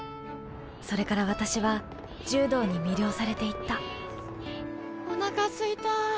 それから私は柔道に魅了されていったおなかすいたぁ。